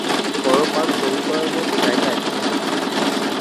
বড়ো পার্ক তৈরি করার মতো জায়গা এখানে নেই।